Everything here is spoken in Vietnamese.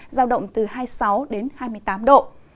giao động từ hai mươi sáu đến hai mươi tám độ